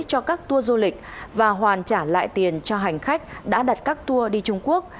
cho các tour du lịch và hoàn trả lại tiền cho hành khách đã đặt các tour đi trung quốc